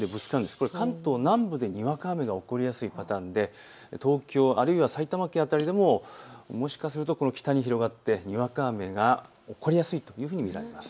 これ、関東南部でにわか雨が起こりやすいパターンで東京、埼玉県辺りでももしかすると北に広がってにわか雨が起こりやすいというふうに見られます。